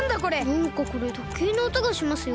なんかこれとけいのおとがしますよ？